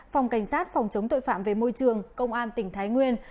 phòng cảnh sát phòng chống tội phạm về môi trường công an tỉnh thái nguyên